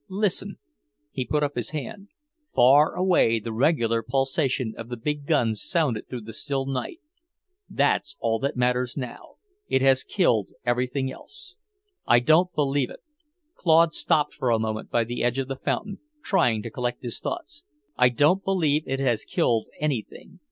Listen," he put up his hand; far away the regular pulsation of the big guns sounded through the still night. "That's all that matters now. It has killed everything else." "I don't believe it." Claude stopped for a moment by the edge of the fountain, trying to collect his thoughts. "I don't believe it has killed anything.